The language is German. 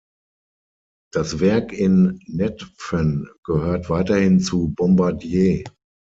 Das Werk in Netphen gehört weiterhin zu Bombardier.